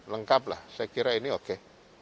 lengkap lah saya kira ini oke